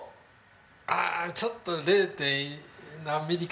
ああちょっと０．何ミリか外れた。